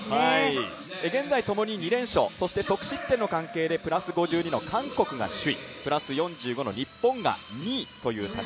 現在ともに２連勝、そして得失点の関係でプラス５２の韓国が首位、プラス４５の日本が２位です。